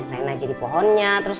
rena jadi pohonnya